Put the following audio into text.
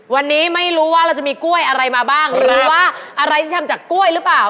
วันนี้ไม่รู้ว่าเราจะมีกล้วยอะไรมาบ้างหรือว่าอะไรที่ทำจากกล้วยหรือเปล่า